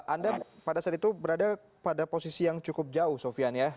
anda pada saat itu berada pada posisi yang cukup jauh sofian ya